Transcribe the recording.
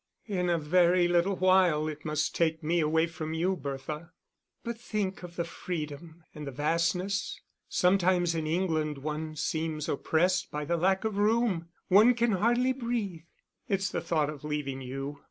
"In a very little while it must take me away from you, Bertha." "But think of the freedom and the vastness. Sometimes in England one seems oppressed by the lack of room; one can hardly breathe." "It's the thought of leaving you."